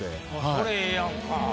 それええやんか。